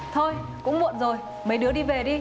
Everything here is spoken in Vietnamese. thôi cũng muộn rồi mấy đứa đi về đi